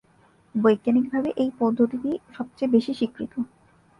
বৈজ্ঞানিকভাবে এই পদ্ধতিই সবচেয়ে বেশি স্বীকৃত।